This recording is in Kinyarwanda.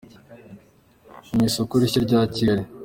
mu isoko rishya rya Kigali.